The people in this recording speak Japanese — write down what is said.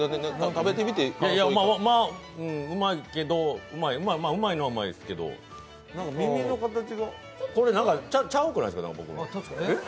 まあ、うまいけど、うまいのはうまいですけどこれちゃうくないですか？